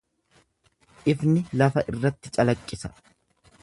Ifni lafa irratti calaqqisa.